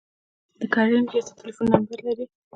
د کرنې ریاست ټلیفون نمبر لرئ؟